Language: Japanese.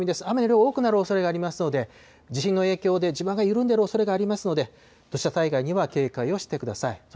雨の量多くなるおそれがありますので、地震の影響で地盤が緩んでいるおそれがありますので、土砂災害には警戒をしてください。